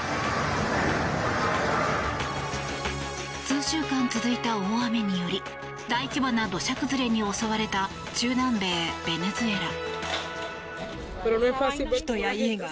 数週間続いた大雨により大規模な土砂崩れに襲われた中南米ベネズエラ。